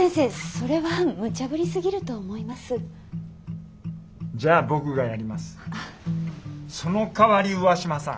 そのかわり上嶋さん